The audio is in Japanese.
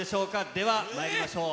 ではまいりましょう。